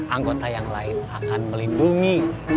anggota yang lain akan melindungi